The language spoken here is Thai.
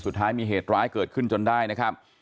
สุดท้ายมีเหตุร้ายเกิดขึ้นจนได้นะครับ